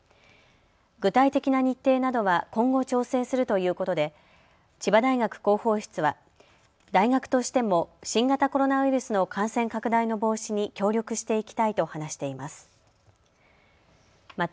具体的な日程などは今後調整するということで千葉大学広報室は大学としても新型コロナウイルスの感染拡大の防止に協力していきたいと話しています。